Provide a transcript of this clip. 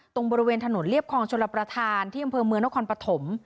ตรงบริเวณถนนเรียบคลองชลประธานที่อำเภอเมืองนครปฐม